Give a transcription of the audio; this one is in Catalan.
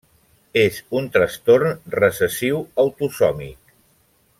És un trastorn recessiu autosòmic.